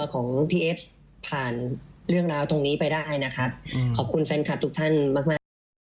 ของพี่เอฟผ่านเรื่องราวตรงนี้ไปได้นะครับขอบคุณแฟนคลับทุกท่านมากมากนะครับ